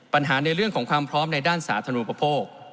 ปัญหาในเรื่องของความพร้อมในด้านสาธารณูปโภค